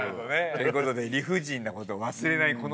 ということで理不尽なこと忘れない